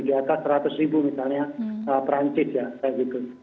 di atas seratus misalnya prancis ya kayak gitu